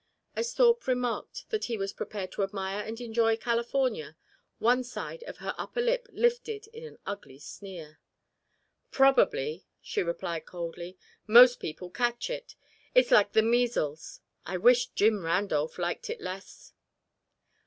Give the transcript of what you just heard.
As Thorpe remarked that he was prepared to admire and enjoy California, one side of her upper lip lifted in an ugly sneer. "Probably," she replied coldly. "Most people catch it. It's like the measles. I wish Jim Randolph liked it less."